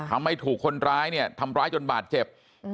ทำให้ถูกคนร้ายเนี่ยทำร้ายจนบาดเจ็บ